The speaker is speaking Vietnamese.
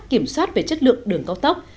kiểm soát về chất lượng đường cao thốc